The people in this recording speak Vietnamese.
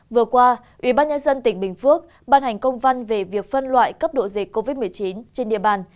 vừa qua ubnd tỉnh bình phước ban hành công văn về việc phân loại cấp độ dịch covid một mươi chín trên địa bàn